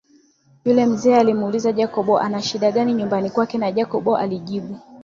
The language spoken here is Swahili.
Yule mzee alimuuliza Jacob ana shida gani nyumbani kwake na Jacob alijibu